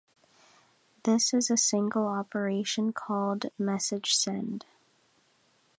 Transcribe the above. This is a single operation, called MsgSend.